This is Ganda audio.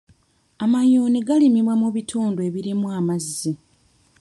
Amayuuni galimibwa mu bitundu ebirimu amazzi.